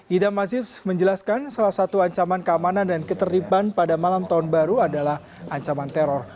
idam mazif menjelaskan salah satu ancaman keamanan dan keterliban pada malam tahun baru adalah ancaman teror